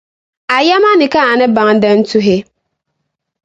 A yɛma ni ka a ni baŋ din tuhi.